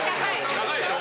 高いでしょ？